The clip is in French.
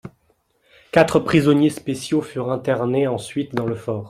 Quatre prisonniers spéciaux furent internés ensuite dans le fort.